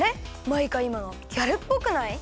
マイカいまのギャルっぽくない？